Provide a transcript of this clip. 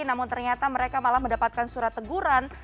namun ternyata mereka malah mendapatkan surat teguran